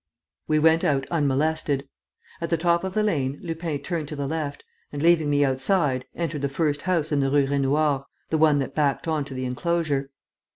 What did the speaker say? We went out unmolested. At the top of the lane, Lupin turned to the left and, leaving me outside, entered the first house in the Rue Raynouard, the one that backed on to the enclosure.